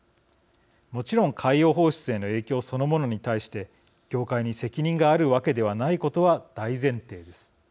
もちろん海洋放出への影響そのものに対して業界に責任があるわけではないことは大前提です。